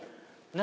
何？